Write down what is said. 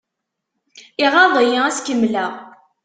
Iɣaḍ-iyi ad as-kemmkeɣ.